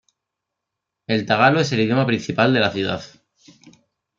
El tagalo es el idioma principal de la ciudad.